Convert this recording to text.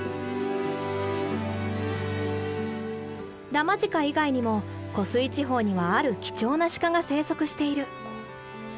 ダマジカ以外にも湖水地方にはある貴重なシカが生息している。